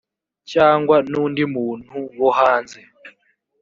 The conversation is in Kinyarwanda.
cyangwa n’undi muntu wo hanze